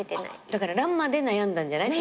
だから乱馬で悩んだんじゃない？